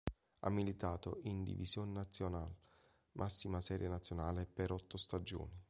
Ha militato in Division Nationale, massima serie nazionale, per otto stagioni.